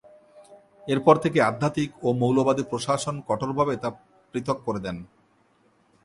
এরপর থেকেই আধ্যাত্মিক ও মৌলবাদী প্রশাসন কঠোরভাবে তা পৃথক করে দেন।